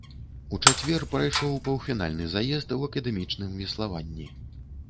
У чацвер прайшоў паўфінальны заезд у акадэмічным веславанні.